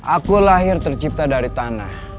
aku lahir tercipta dari tanah